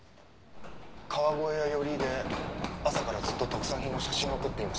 川越や寄居で朝からずっと特産品の写真を撮っていました。